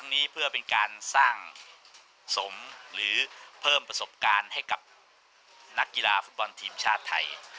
นักกีฬาฟุตบอลทีมชาติไทย